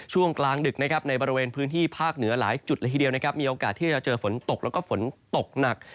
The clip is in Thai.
ช่วงกลางดึกนะครับในบริเวณพื้นที่ภาคเหนือหลายจุดละทีเดียวนะครับมีโอกาสที่จะเจอฝนตกแล้วก็ฝนตกหนัก